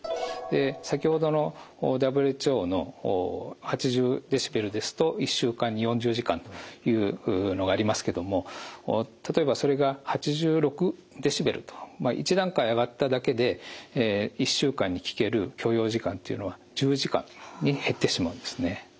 先ほどのＷＨＯの８０デシベルですと１週間に４０時間というのがありますけども例えばそれが８６デシベルと１段階上がっただけで１週間に聴ける許容時間というのは１０時間に減ってしまうんですね。